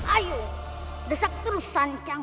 ayo desak terus sancang